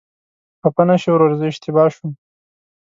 خفه نشې وروره، زه اشتباه شوم.